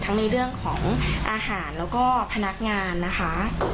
ในเรื่องของอาหารแล้วก็พนักงานนะคะ